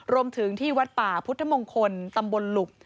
รวมถึงที่วัดป่าพุทธมงคลตำบลหลุบ